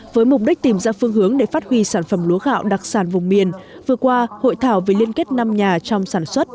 với mục đích tìm ra phương hướng để phát huy sản phẩm lúa gạo đặc sản vùng miền vừa qua hội thảo về liên kết năm nhà trong sản xuất